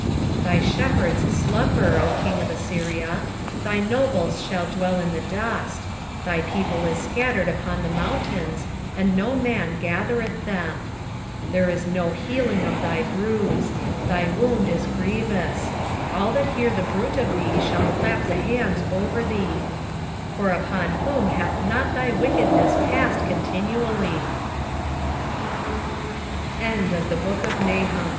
3:18 Thy shepherds slumber, O king of Assyria: thy nobles shall dwell in the dust: thy people is scattered upon the mountains, and no man gathereth them. 3:19 There is no healing of thy bruise; thy wound is grievous: all that hear the bruit of thee shall clap the hands over thee: for upon whom hath not thy wickedness passe